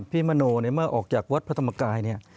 มโนเนี่ยเมื่อออกจากวัดพระธรรมกายเนี่ย